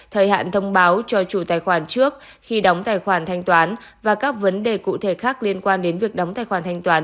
thời hạn thông báo cho chủ tài khoản trước khi đóng tài khoản thanh toán và các vấn đề cụ thể khác liên quan đến việc đóng tài khoản thanh toán